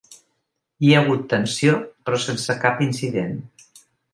Hi ha hagut tensió, però sense cap incident.